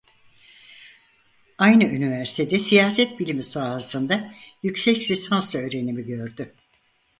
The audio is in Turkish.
Aynı üniversitede Siyaset Bilimi sahasında yüksek lisans öğrenimi gördü.